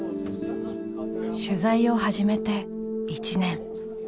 取材を始めて１年。